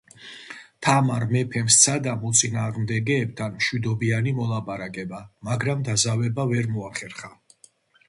თამარ მეფემ სცადა მოწინააღმდეგეებთან მშვიდობიანი მოლაპარაკება, მაგრამ დაზავება ვერ მოახერხა.